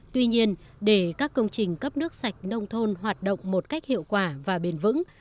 tuy nhiên để các công trình cấp nước sạch nông thôn hoạt động một cách hiệu quả và bền vững